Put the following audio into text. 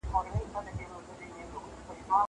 زه مخکي لیکل کړي وو!